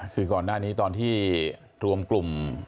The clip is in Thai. คือก่อนหน้านี้ตอนที่รวมกลุ่ม